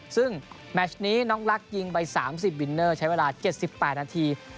ซึ่งแมชนี้น้องลักษณ์ยิงไป๓๐วินเนอร์ใช้เวลา๗๘นาที